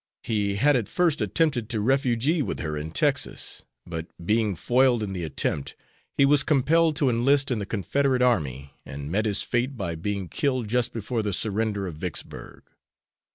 He had at first attempted to refugee with her in Texas, but, being foiled in the attempt, he was compelled to enlist in the Confederate Army, and met his fate by being killed just before the surrender of Vicksburg.